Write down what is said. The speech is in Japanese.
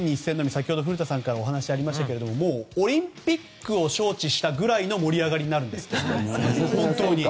先ほど古田さんからお話がありましたけれどもオリンピックを招致したくらいの盛り上がりになるんですって。